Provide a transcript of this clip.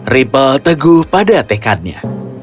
ribble teguh pada tekadnya